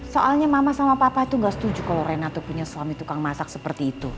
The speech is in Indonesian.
soalnya mama sama papa tuh gak setuju kalo rena tuh punya suami tukang masak seperti itu